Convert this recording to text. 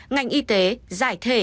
ngành y tế giải thể